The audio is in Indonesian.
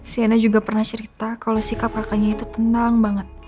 siana juga pernah cerita kalau sikap kakaknya itu tenang banget